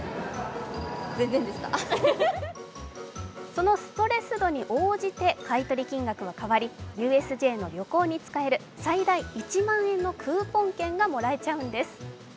そのストレス度に応じて買取金額は変わりＵＳＪの旅行に使える最大１万円のクーポン券がもらえちゃうんです。